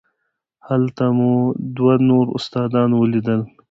هلته مو یو دوه نور استادان ولیدل.